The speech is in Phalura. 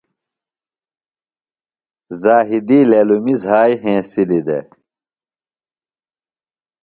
ذاہدی للمیۡ زھائی ہنسِلیۡ دےۡ۔